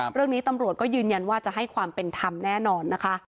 เรื่องนี้ตำรวจก็ยืนยันว่าจะให้ความเป็นธรรมแน่นอนนะคะ